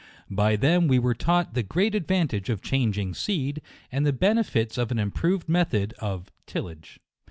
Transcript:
By them we were taught the great advantage of changing seed, and the benefits of an improved method of. tillage.